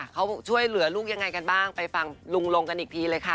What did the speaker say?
เขาช่วยเหลือลูกยังไงกันบ้างไปฟังลุงลงกันอีกทีเลยค่ะ